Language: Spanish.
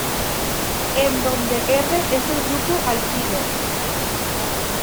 En donde R es el grupo alquilo.